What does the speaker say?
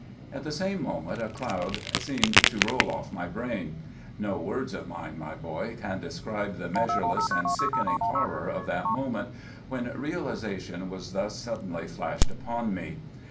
"'At the same moment a cloud seemed to roll off my brain. No words of mine, my boy, can describe the measureless and sickening horror of that moment, when realization was thus suddenly flashed upon me.